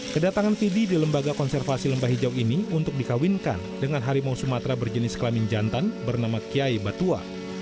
kedatangan fidi di lembaga konservasi lembah hijau ini untuk dikawinkan dengan harimau sumatera berjenis kelamin jantan bernama kiai batua